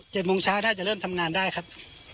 โมงเช้าน่าจะเริ่มทำงานได้ครับ